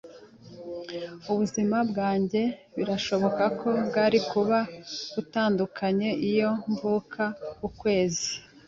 Ubuzima bwanjye birashoboka ko bwari kuba butandukanye iyo mvuka ukwezi.